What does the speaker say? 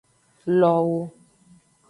Lowo.